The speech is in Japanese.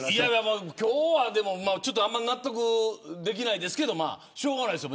今日はあんまり納得できないですけどしょうがないですよ。